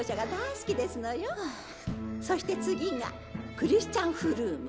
そして次がクリスチャン・フルーム。